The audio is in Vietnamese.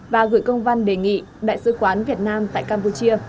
và gửi công văn đề nghị đại sứ quán việt nam tại campuchia